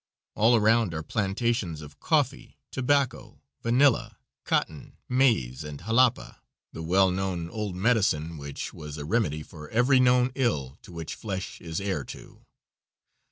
All around are plantations of coffee, tobacco, vanilla, cotton, maize, and jalapa the well known old medicine which was a remedy for every known ill to which flesh is heir to.